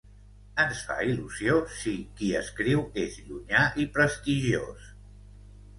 Ens fa il·lusió si qui escriu és llunyà i prestigiós.